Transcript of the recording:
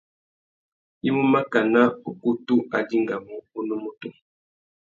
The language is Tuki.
I mú makana ukutu a dingamú unúmútú.